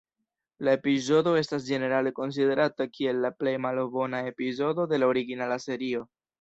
La epizodo estas ĝenerale konsiderata kiel la plej malbona epizodo de la originala serio.